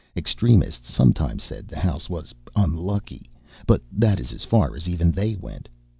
Extremists sometimes said the house was "unlucky," but that is as far as even they went.